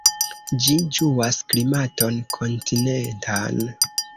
Ĝi ĝuas klimaton kontinentan.